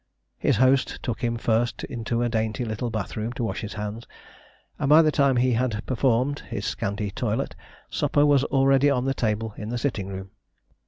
His host took him first into a dainty little bath room to wash his hands, and by the time he had performed his scanty toilet supper was already on the table in the sitting room.